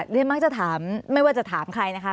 เรียนมักจะถามไม่ว่าจะถามใครนะครับ